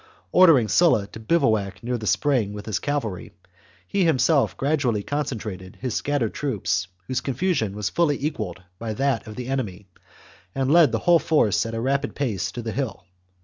Ordering Sulla to bivouac near the spring with his cavalry, he himself gradually con centrated his scattered troops, whose confusion was fully equalled by that of the enemy, and led the whole force at a rapid pace to the hill.